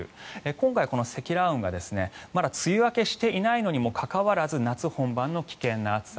今回はこの積乱雲がまだ梅雨明けしていないのにもかかわらず夏本番の危険な暑さ。